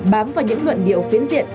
bám vào những luận điệu phiến diện